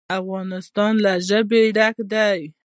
افغانستان له ژبې ډک دی.